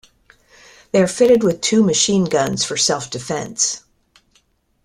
They are fitted with two machine guns for self-defence.